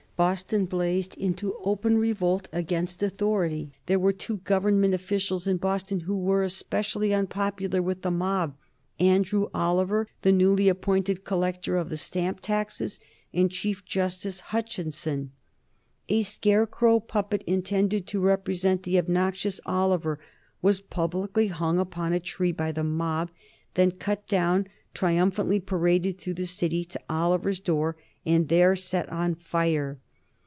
Boston blazed into open revolt against authority. There were two Government officials in Boston who were especially unpopular with the mob Andrew Oliver, the newly appointed collector of the stamp taxes, and Chief Justice Hutchinson. A scarecrow puppet, intended to represent the obnoxious Oliver, was publicly hung upon a tree by the mob, then cut down, triumphantly paraded through the city to Oliver's door, and there set on fire.